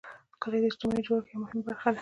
کلي د اجتماعي جوړښت یوه مهمه برخه ده.